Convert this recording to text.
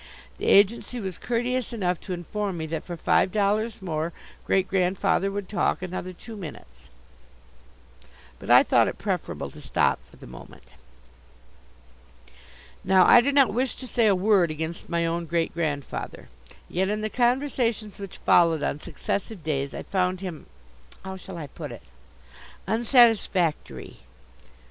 The agency was courteous enough to inform me that for five dollars more Great grandfather would talk another two minutes. But I thought it preferable to stop for the moment. Now I do not wish to say a word against my own great grandfather. Yet in the conversations which followed on successive days I found him how shall I put it? unsatisfactory.